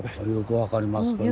よく分かります。